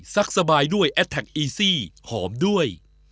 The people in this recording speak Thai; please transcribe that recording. สบายด้วยแอดแท็กอีซี่หอมด้วย